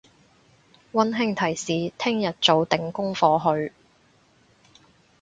溫馨提示聽日做定功課去！